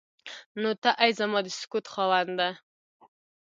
نو ته ای زما د سکوت خاونده.